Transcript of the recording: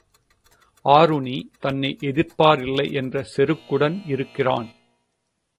ஆருணி தன்னை எதிர்ப்பாரில்லை என்ற செருக்குடன் இருக்கிறான்.